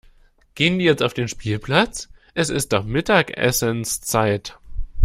Gehen die jetzt auf den Spielplatz? Es ist doch Mittagessenszeit.